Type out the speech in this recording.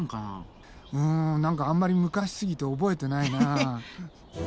うん何かあんまり昔すぎて覚えてないなあ。